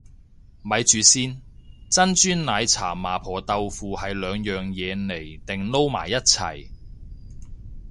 咪住先，珍珠奶茶麻婆豆腐係兩樣嘢嚟定撈埋一齊